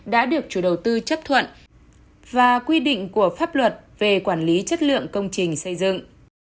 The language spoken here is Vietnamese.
đã được chủ đầu tư chấp thuận và quy định của pháp luật về quản lý chất lượng công trình xây dựng